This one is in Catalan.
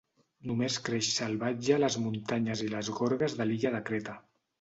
Només creix salvatge a les muntanyes i les gorges de l'illa de Creta.